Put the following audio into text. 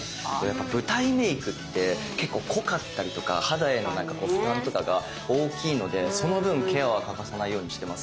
やっぱ舞台メークって結構濃かったりとか肌への負担とかが大きいのでその分ケアは欠かさないようにしてます。